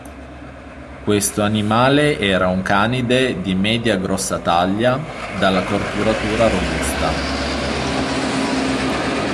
Questo animale era un canide di media-grossa taglia, dalla corporatura robusta.